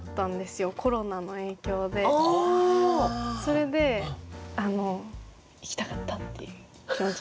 それで行きたかったっていう気持ち。